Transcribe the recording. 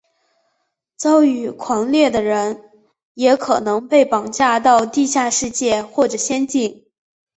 遭遇狂猎的人也可能被绑架到地下世界或者仙境。